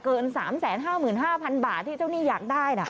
เกินสามแสนห้าหมื่นห้าพันบาทที่เจ้านี่อยากได้